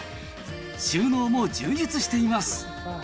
収納も充実しています。